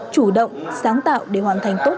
chủ động sáng tạo để hoàn thành tốt